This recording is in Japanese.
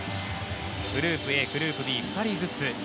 グループＡ、グループＢ２人ずつ。